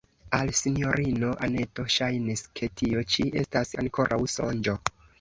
Al sinjorino Anneto ŝajnis, ke tio ĉi estas ankoraŭ sonĝo.